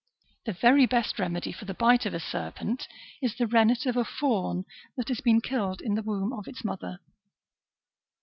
The very best remedy for the bite of a serpent is the rennet of a fawn that has been killed in the womb of its mother.